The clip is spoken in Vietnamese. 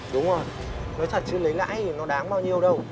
đúng rồi nói thật chứ lấy lãi thì nó đáng bao nhiêu đâu